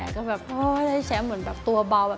ก็แบบโอ้ยได้แชมป์เหมือนแบบตัวเบา